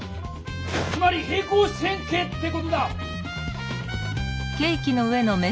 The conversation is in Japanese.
つまり平行四辺形って事だ！